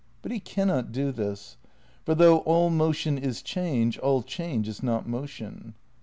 But he can not do this. For though all motion is change, all change is not motion.